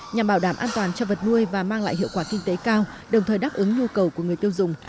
nhằm bảo đảm an toàn cho vật nuôi và mang lại hiệu quả kinh tế cao đồng thời đáp ứng nhu cầu của người tiêu dùng